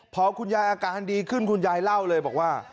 พอคุณยายอาการดีขึ้นคุณยายเล่าเลยบอกว่า